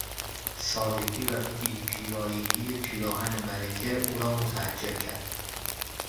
سادگی و بی پیرایگی پیراهن ملکه او را متعجب کرد.